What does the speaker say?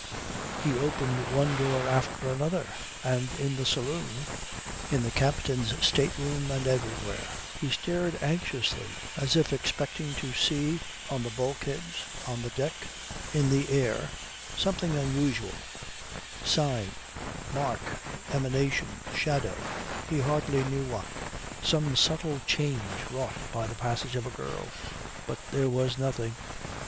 He opened one door after another; and, in the saloon, in the captain's state room and everywhere, he stared anxiously as if expecting to see on the bulkheads, on the deck, in the air, something unusual sign, mark, emanation, shadow he hardly knew what some subtle change wrought by the passage of a girl. But there was nothing.